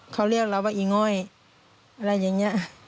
เขาเรียกเราว่าอีง้อยอะไรอย่างนี้